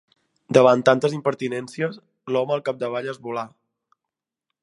Davant tantes impertinències, l'home al capdavall es volà.